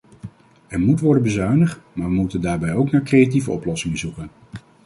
Er moet worden bezuinigd, maar we moeten daarbij ook naar creatieve oplossingen zoeken.